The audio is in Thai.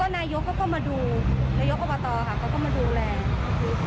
นายโยคอบตเขาก็มาดูแรง